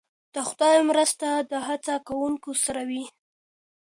د خدای مرسته د هڅه کوونکو سره وي.